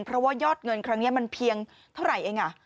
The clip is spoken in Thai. เพราะว่ายอดเงินครั้งนี้มันเพียงเท่าไหร่เอง